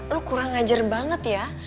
lo kurang ngajar banget ya